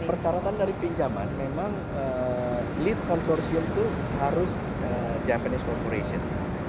jadi persyaratan dari pinjaman memang lead consortium itu harus japanese corporation